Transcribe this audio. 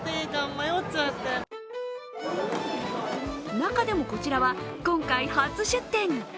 中でも、こちらは今回初出店。